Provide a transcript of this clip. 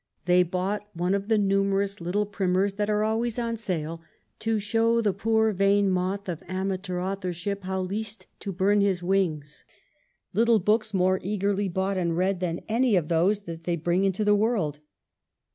They bought one of the numerous little primers that are always on sale to show the poor vain moth of amateur authorship how least to burn his wings — little books more eagerly bought and read than any of those that they bring into the world.